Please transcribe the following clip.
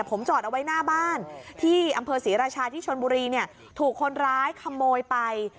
ผมจอดเอาไว้หน้าบ้านที่อำเภอศรีราชาที่ชนบุรีเนี่ยถูกคนร้ายขโมยไป